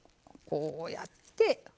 こうやって。